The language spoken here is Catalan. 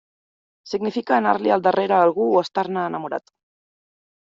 Significa anar-li al darrere a algú o estar-ne enamorat.